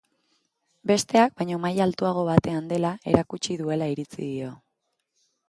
Besteak baino maila altuago batean dela erakutsi duela iritzi dio.